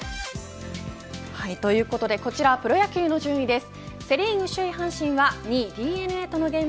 ということでこちらプロ野球の順位です。